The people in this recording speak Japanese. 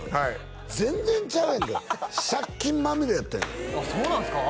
全然ちゃうやんけ借金まみれやってんあっそうなんすか？